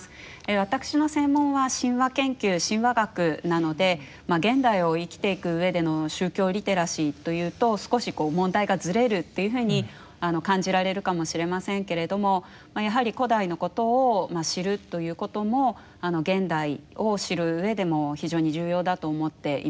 私の専門は神話研究神話学なので現代を生きていくうえでの宗教リテラシーというと少し問題がずれるというふうに感じられるかもしれませんけれどもやはり古代のことを知るということも現代を知るうえでも非常に重要だと思っています。